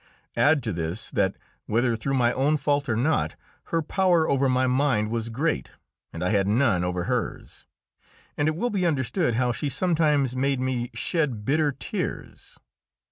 Add to this that whether through my own fault or not her power over my mind was great, and I had none over hers, and it will be understood how she sometimes made me shed bitter tears.